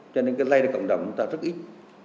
cho nên cái lây ra cộng đồng chúng ta rất ít